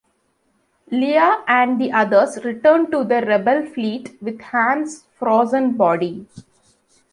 Leia and the others return to the Rebel fleet with Han's frozen body.